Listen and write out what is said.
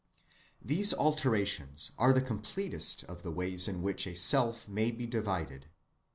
These alternations are the completest of the ways in which a self may be divided.